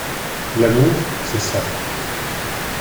L'amour, c'est ça.